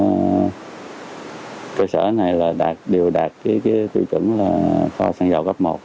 ở cơ sở này đều đạt tiêu chuẩn kho sản dầu cấp một